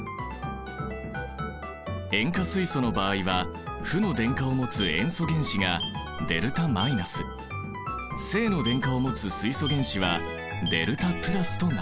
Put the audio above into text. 塩化水素の場合は負の電荷を持つ塩素原子がδ−正の電荷を持つ水素原子はδ＋となる。